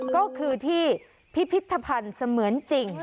ก็คือที่พิพิธภัณฑ์เสมือนจริง